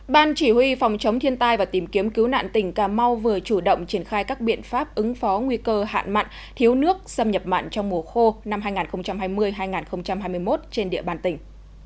ban chỉ huy phòng chống thiên tai và tìm kiếm cứu nạn tỉnh cà mau vừa chủ động triển khai các biện pháp ứng phó nguy cơ hạn mặn thiếu nước xâm nhập mặn trong mùa khô năm hai nghìn hai mươi hai nghìn hai mươi một trên địa bàn tỉnh